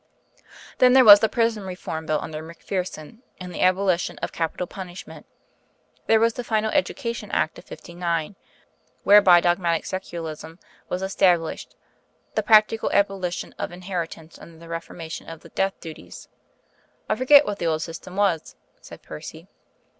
"Then there was the Prison Reform Bill under Macpherson, and the abolition of capital punishment; there was the final Education Act of '59, whereby dogmatic secularism was established; the practical abolition of inheritance under the reformation of the Death Duties " "I forget what the old system was," said Percy.